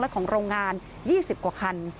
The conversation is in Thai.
และของโรงงาน๒๐กว่าคัน